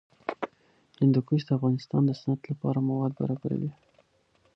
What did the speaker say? هندوکش د افغانستان د صنعت لپاره مواد برابروي.